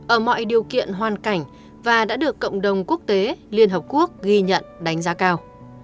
ở mọi điều kiện hoàn cảnh và đã được cộng đồng quốc tế liên hợp quốc ghi nhận đánh giá cao